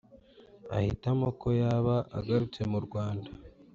ahitamo ko yaba agarutse mu Rwanda